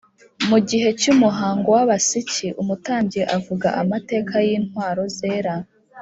mu gihe cy’umuhango w’abasiki umutambyi avuga amateka y’intwaro zera